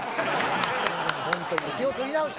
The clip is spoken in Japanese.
本当に、気を取り直して。